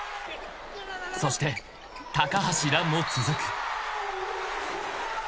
［そして橋藍も続く］